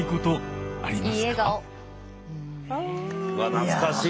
懐かしい！